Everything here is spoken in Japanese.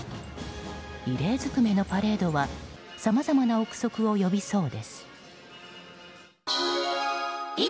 異例づくめのパレードはさまざまな憶測を呼びそうです。